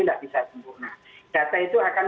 tidak bisa sempurna data itu akan